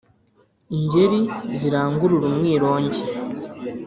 Ingeri zirangurure umwirongi